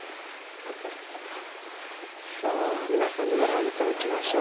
さあ皆さんにご覧頂きましょう。